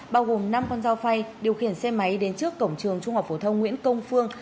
bao gồm năm con dao phay điều khiển xe máy đến trước cổng trường trung học phổ thông nguyễn công phương